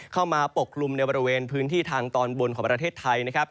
ปกคลุมในบริเวณพื้นที่ทางตอนบนของประเทศไทยนะครับ